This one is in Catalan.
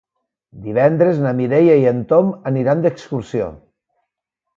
Divendres na Mireia i en Tom aniran d'excursió.